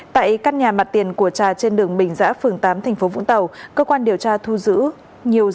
tại căn nhà mặt tiền của trà trên đường bình giã phường tám tp vũng tàu cơ quan điều tra thu giữ nhiều